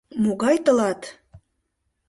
— Могай тылат...